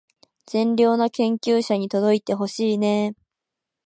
善良な研究者に届いてほしいねー